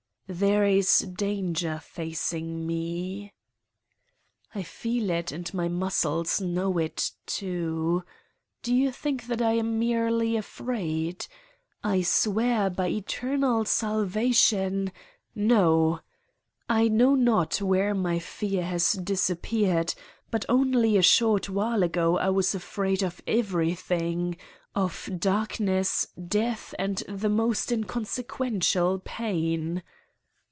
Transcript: There is danger facing me. I feel it and my muscles know it, too. Do you think that I am merely afraid? I swear by eter nal salvation no ! I know not where my fear has disappeared, but only a short while ago I was afraid of everything: of darkness, death and the most inconsequential pain.